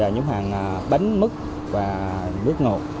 nhóm hàng bánh mứt và nước ngột